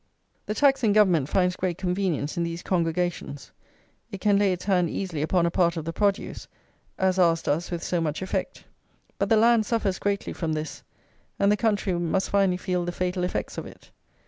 The taxing Government finds great convenience in these congregations. It can lay its hand easily upon a part of the produce; as ours does with so much effect. But the land suffers greatly from this, and the country must finally feel the fatal effects of it.